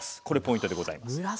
これポイントでございます。